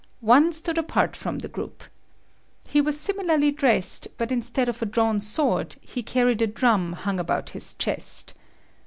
One stood apart from the group. He was similarly dressed but instead of a drawn sword, he carried a drum hung about his chest.